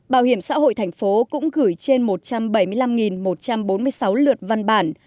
bảo hiểm xã hội thành phố cũng gửi trên một trăm bảy mươi năm một trăm bốn mươi sáu lượt văn bản